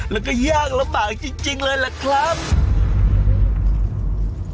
แล้วก็ยากระบางจริงเลยแหละครับ